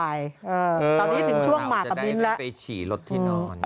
หัวเราจะได้ได้ก็ไปฉี่รถที่นอน